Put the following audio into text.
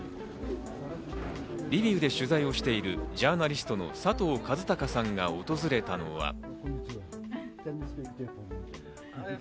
リビウで取材をしているジャーナリストの佐藤和孝さんが訪れたのは。